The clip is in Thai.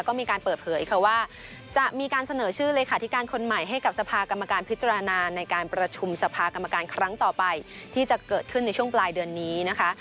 ก็มีการเปิดเผยค่ะว่าจะมีการเสนอชื่อเลขาธิการคนใหม่ให้กับสภากรรมการพิจารณาในการประชุมสภากรรมการครั้งต่อไปที่จะเกิดขึ้นในช่วงปลายเดือนนี้นะคะ